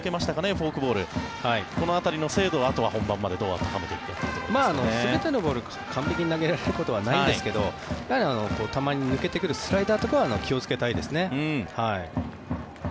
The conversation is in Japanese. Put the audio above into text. フォークボールこの辺りの精度をあとは本番までに全てのボールを完璧に投げられることはないんですがたまに抜けてくるスライダーは気をつけたいですね。